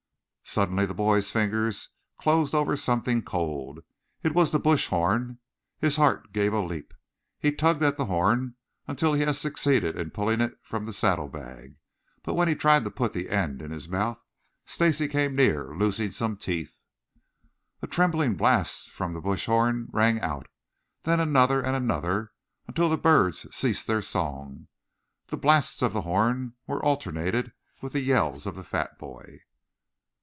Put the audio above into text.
Suddenly the boy's fingers closed over something cold. It was the bush horn. His heart gave a leap. He tugged at the horn until he had succeeded in pulling it from the saddle bag. But when he tried to put the end in his mouth, Stacy came near losing some teeth. A trembling blast from the bush horn rang out. Then another and another until the birds ceased their song. The blasts of the horn were alternated with the yells of the fat boy.